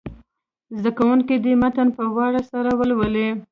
زده کوونکي دې متن په وار سره ولولي.